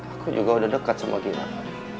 aku juga udah dekat sama gina